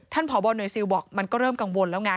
พบหน่วยซิลบอกมันก็เริ่มกังวลแล้วไง